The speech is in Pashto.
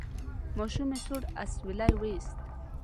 ماشومې سوړ اسویلی وایست: